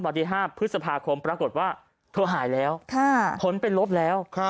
วันที่๕พฤษภาคมปรากฏว่าเธอหายแล้วผลเป็นลบแล้ว